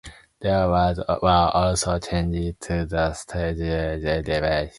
There were also changes to the Stargate device.